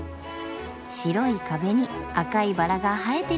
白い壁に赤いバラが映えてるねぇ。